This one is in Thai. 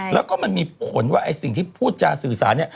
แล้วก็มันมีผลว่าไอ้สิ่งที่พูดจาสื่อสารเนี่ย